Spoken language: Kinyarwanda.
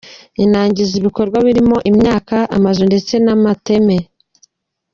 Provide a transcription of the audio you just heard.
Inangiza ibikorwa birimo imyaka, amazu ndetse n’amateme.